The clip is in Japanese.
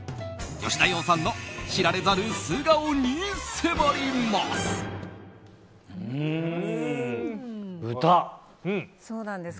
吉田羊さんの知られざる素顔に迫ります。